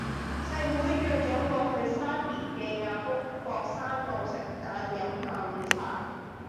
細妹約左我去沙田嘅亞公角山路食晏飲下午茶